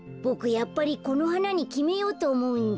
やっぱりこのはなにきめようとおもうんだ。